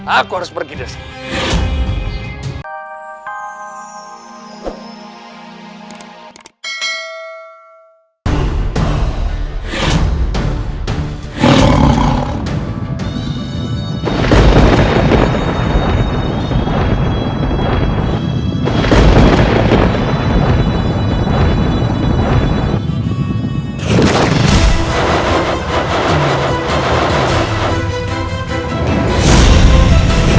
aku harus pergi dari sini